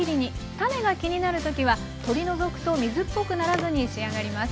種が気になる時は取り除くと水っぽくならずに仕上がります。